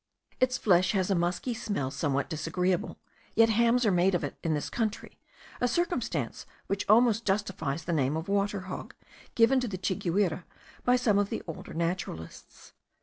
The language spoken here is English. Its flesh has a musky smell somewhat disagreeable; yet hams are made of it in this country, a circumstance which almost justifies the name of water hog, given to the chiguire by some of the older naturalists.